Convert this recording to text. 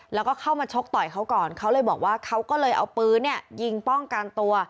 แล้วก็เข้ามาชกต่อยเขาก่อนเขาเลยบอกว่าเขาก็เลยเอาปืนเนี่ยยิงป้องกันตัว